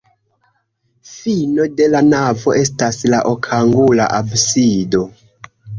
Fino de la navo estas la okangula absido.